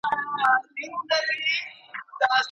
زما لیدلي بد خوبونه ریشتیا کېږي